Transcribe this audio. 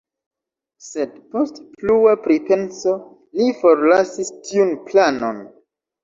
Sed post plua pripenso li forlasis tiun planon.